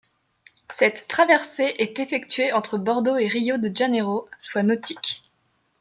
Cette traversée est effectuée entre Bordeaux et Rio de Janeiro, soit nautiques.